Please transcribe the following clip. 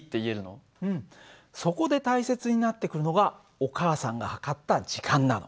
うんそこで大切になってくるのがお母さんが計った時間なの。